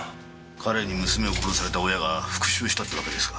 彼に娘を殺された親が復讐したって訳ですか？